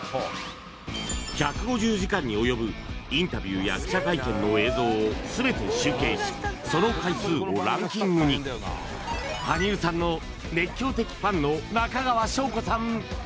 １５０時間に及ぶインタビューや記者会見の映像を全て集計しその回数をランキングに羽生さんの熱狂的ファンの中川翔子さん